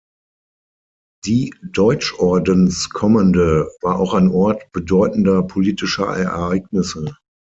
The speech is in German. Die Deutschordenskommende war auch ein Ort bedeutender politischer Ereignisse.